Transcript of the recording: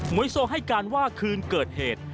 วยโซให้การว่าคืนเกิดเหตุ